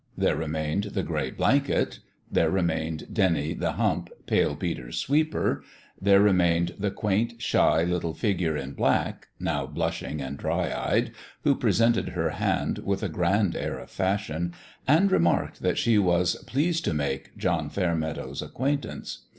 There remained the gray blanket there remained Dennie the Hump, Pale Peter's sweeper there remained the quaint, shy little figure in black, now blushing and dry eyed, who presented her hand, with a grand air of fashion, and remarked that she was " pleased to make" John Fairmeadow's acquaintance.